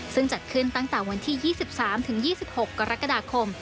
ซึ่งจัดขึ้นตั้งแต่วันที่๒๓๒๖กรกฎาคม